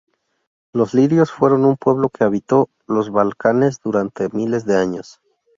Los ilirios fueron un pueblo que habitó los Balcanes durante miles de años.